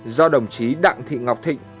do đồng chí đặng thị ngọc thịnh